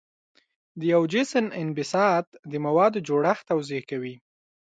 د یو جسم انبساط د موادو جوړښت توضیح کوي.